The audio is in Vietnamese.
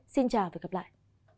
xin chào và gặp lại